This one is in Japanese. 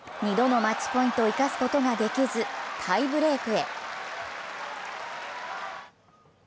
２度のマッチポイントを生かすことができずタイブレークへ。